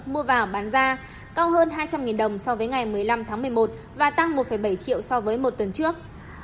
mua vào bán ra cao hơn hai trăm linh đồng so với ngày một mươi năm tháng một mươi một và tăng một bảy triệu so với một tuần trước